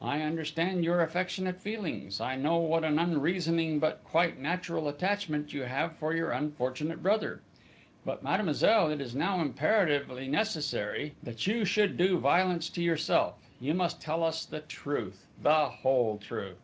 I understand your affectionate feelings, I know what an unreasoning, but quite natural, attachment you have for your unfortunate brother but, mademoiselle, it is now imperatively necessary that you should do violence to yourself you must tell us the truth, the whole truth!"